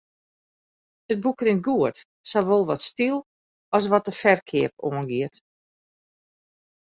It boek rint goed, sawol wat styl as wat de ferkeap oangiet.